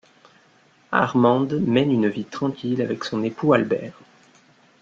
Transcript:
Armande mène une vie tranquille avec son époux Albert.